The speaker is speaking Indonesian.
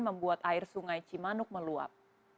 membuat air sungai cimanuk meluap